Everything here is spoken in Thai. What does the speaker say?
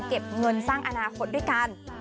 เก็บเงินสร้างอนาคตด้วยกัน